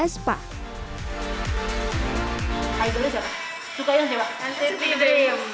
jangan lupa untuk ikuti video selanjutnya di channel kita